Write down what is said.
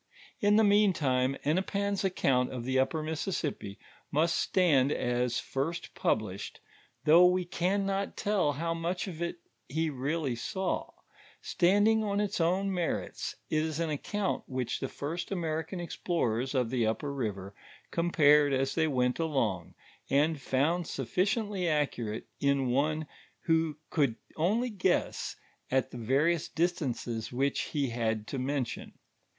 In the meantime Hennepin's account of the upper Mississippi must stand as first published, though we can not tell how much of it he really saw; standing on its own merits; it is an account which the first American explorers of the upper river compared as they went along, and found sufficiently accurate in one who could only guess at the various distances which he had to mention.